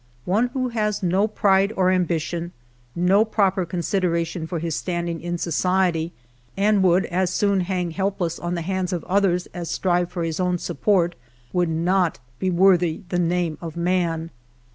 One who has no pride or ambition, no proper con sideration for his standing in society, and would as soon hang lielpless on the hands of others as strive for his own support, would not be W(>rthy the name of man.